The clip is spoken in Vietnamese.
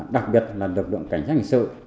đặc biệt là lực lượng cảnh sát hình sự